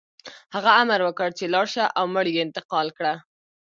هغه امر وکړ چې لاړ شه او مړي انتقال کړه